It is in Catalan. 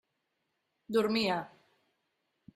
Dormia.